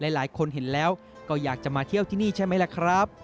หลายคนเห็นแล้วก็อยากจะมาเที่ยวที่นี่ใช่ไหมล่ะครับ